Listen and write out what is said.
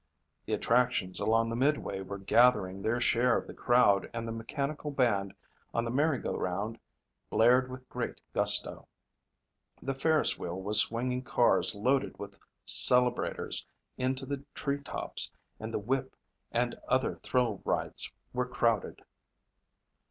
The attractions along the midway were gathering their share of the crowd and the mechanical band on the merry go round blared with great gusto. The ferris wheel was swinging cars loaded with celebrators into the tree tops and the whip and other thrill rides were crowded.